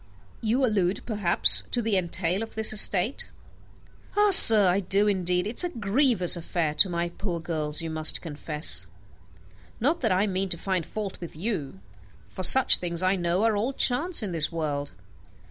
"You allude, perhaps, to the entail of this estate." "Ah, sir, I do indeed. It is a grievous affair to my poor girls, you must confess. Not that I mean to find fault with you, for such things, I know, are all chance in this world.